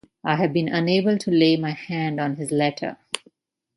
I have been unable to lay my hand on his letter.